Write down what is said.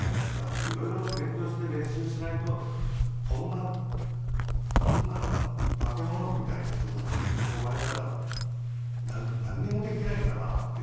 色々勉強して練習しないとこんな化け物みたいな人たちに囲まれたらなんにもできないんだなっていうふうに。